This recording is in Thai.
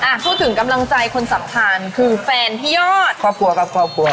พูดถึงกำลังใจคนสำคัญคือแฟนพี่ยอดครอบครัวครับครอบครัว